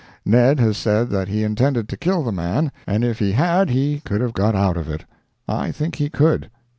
Ned has said that he intended to kill the man, and if he had he could have got out of it. I think he could.